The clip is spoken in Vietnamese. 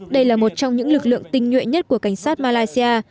đây là một trong những lực lượng tinh nhuệ nhất của cảnh sát malaysia